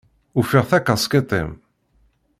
Ufiɣ takaskiṭ-im.